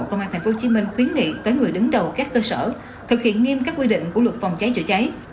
công an tp hcm khuyến nghị tới người đứng đầu các cơ sở thực hiện nghiêm các quy định của luật phòng cháy chữa cháy